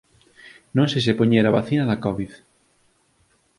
Non sei se poñer a vacina da Covid.